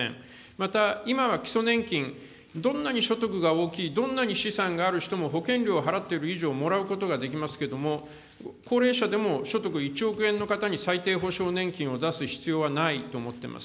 また、今は基礎年金、どんなに所得が大きい、どんなに資産がある人も、保険料を払っている以上、もらうことができますけれども、高齢者でも所得１億円の方に最低保障年金を出す必要はないと思っています。